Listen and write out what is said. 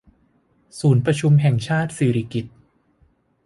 ศูนย์การประชุมแห่งชาติสิริกิติ์